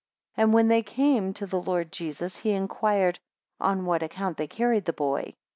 9 And when they came to the Lord Jesus, he inquired, On what account they carried that boy?